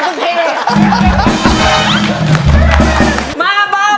ป๊าเข้าไปห้าโมงกว่าแล้ว